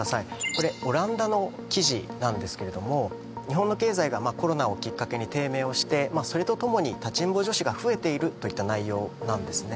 これオランダの記事なんですけれども日本の経済がコロナをきっかけに低迷をしてそれとともに立ちんぼ女子が増えているといった内容なんですね